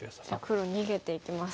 黒逃げていきます。